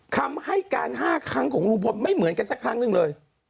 คำให้การ๕ครั้งของลุงพลไม่เหมือนกันสักครั้งหนึ่งเลย